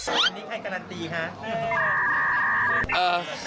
อันนี้ใครการันตีคะ